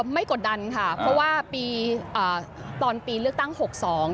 ไม่กดดันค่ะเพราะว่าตอนปีเลือกตั้ง๖๒